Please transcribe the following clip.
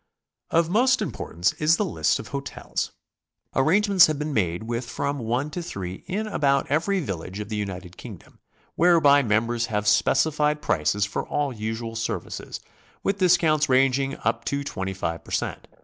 Of most importance is the list of hotels. Arrangements have been made with from one to three in about every village of the United Kingdom, w>hereby members have specified prices for all usual services, with discounts ranging up to 25 per cent.